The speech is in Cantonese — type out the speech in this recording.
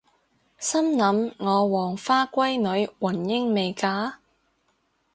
心諗我黃花閨女雲英未嫁！？